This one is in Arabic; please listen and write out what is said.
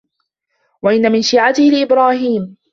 وَإِنَّ مِن شيعَتِهِ لَإِبراهيمَ